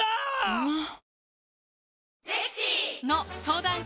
うまっ！！